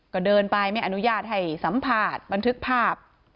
ก็เดินไปไม่อนุญาตให้สัมภาษณ์บันทึกภาพ